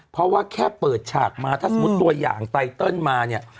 เพราะว่าแค่เปิดฉากมาถ้าสมมุติตัวอย่างไตเติลมาเนี่ย